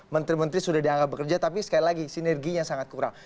menteri menteri sudah dianggap bekerja tapi sekali lagi sinerginya sangat kurang